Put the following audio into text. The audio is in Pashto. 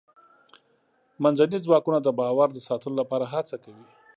منځني ځواکونه د باور د ساتلو لپاره هڅه کوي.